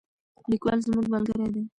لیکوال زموږ ملګری دی.